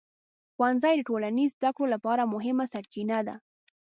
ښوونځي د ټولنیز زده کړو لپاره مهمه سرچینه ده.